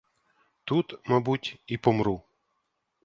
Тут, мабуть, і помру.